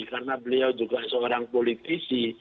karena beliau juga seorang politisi